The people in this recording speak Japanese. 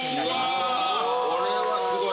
これはすごい。